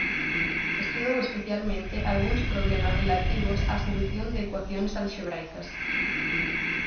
Estudou especialmente algúns problemas relativos á solución de ecuacións alxebraicas.